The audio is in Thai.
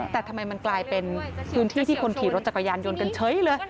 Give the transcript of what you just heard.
แต่ทำไมมันกลายเป็นพื้นที่ที่คนขี่รถจักรยานยนต์กันเฉยเลย